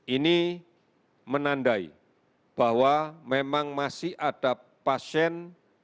ini menandai bahwa memang masih ada pasien